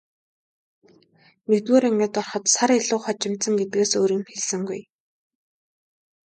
Нэгдүгээр ангид ороход сар илүү хожимдсон гэдгээс өөр юм хэлсэнгүй.